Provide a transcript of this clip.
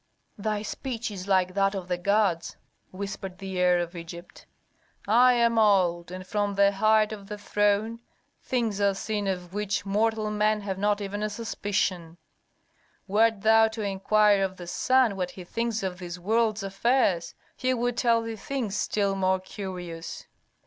"Thy speech is like that of the gods," whispered the heir of Egypt. "I am old, and from the height of the throne things are seen of which mortal men have not even a suspicion. Wert thou to inquire of the sun what he thinks of this world's affairs, he would tell thee things still more curious."